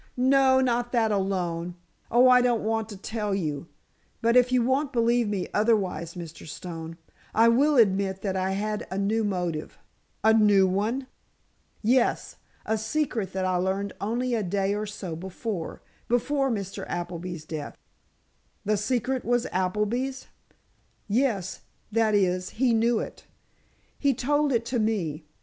"No, not that alone. Oh, I don't want to tell you—but, if you won't believe me otherwise, Mr. Stone, I will admit that I had a new motive——" "A new one?" "Yes, a secret that I learned only a day or so before—before Mr. Appleby's death." "The secret was Appleby's?" "Yes; that is, he knew it. He told it to me.